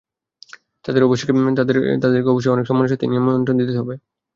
তাদেরকে অবশ্যই অনেক সম্মানের সাথে নিমন্ত্রণ দিতে হবে।